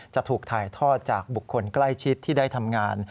จะถูกถ่ายทอดจากบุคคลใกล้ชิดที่ได้ทำงาน